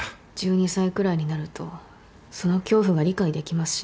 １２歳くらいになるとその恐怖が理解できますしね。